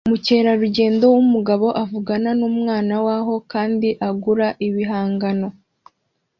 Umukerarugendo wumugabo avugana numwana waho kandi agura ibihangano